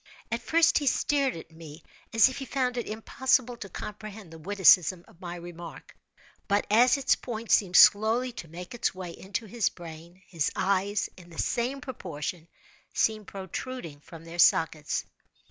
At first he stared at me as if he found it impossible to comprehend the witticism of my remark; but as its point seemed slowly to make its way into his brain, his eyes, in the same proportion, seemed protruding from their sockets.